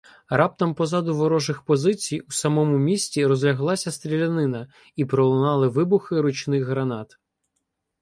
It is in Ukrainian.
Раптом позаду ворожих позицій у самому місті розляглася стрілянина і пролунали вибухи ручних гранат.